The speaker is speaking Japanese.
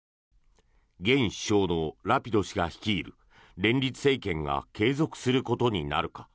現首相のラピド氏が率いる連立政権が継続することになるか